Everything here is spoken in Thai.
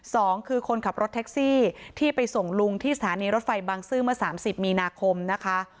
สองคือคนขับรถแท็กซี่ที่ไปส่งลุงที่สถานีรถไฟบางซื่อเมื่อสามสิบมีนาคมนะคะ